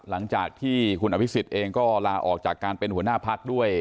หลังจากที่คุณอภิษฎเองก็ลาออกจากการเป็นหัวหน้าพักด้วย